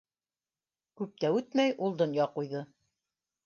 Күп тә үтмәй ул донъя ҡуйҙы.